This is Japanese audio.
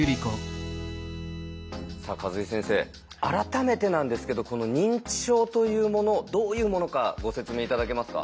さあ數井先生改めてなんですけどこの認知症というものどういうものかご説明頂けますか？